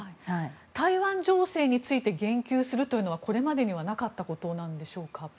台湾情勢について言及するというのはこれまでにはなかったことなんでしょうか。